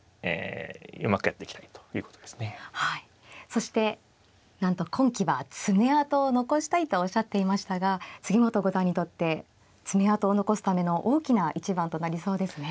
そしてなんと今期は爪痕を残したいとおっしゃっていましたが杉本五段にとって爪痕を残すための大きな一番となりそうですね。